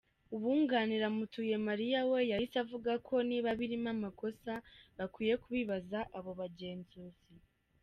Uwunganira Mutuyemariya we yahise avuga ko niba birimo amakosa “bakwiye kubibaza abo bagenzuzi.